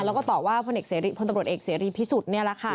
แล้วก็ตอบว่าพลตำรวจเอกเสรีพิสุทธิ์นี่แหละค่ะ